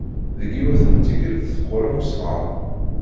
Deg yiwet n tikelt teqqur am usɣar.